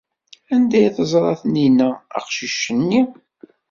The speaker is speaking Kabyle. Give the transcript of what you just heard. Anda ay teẓra Taninna aqcic-nni?